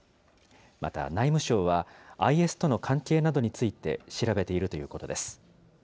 また内務省は、ＩＳとの関係などについて調べているということです。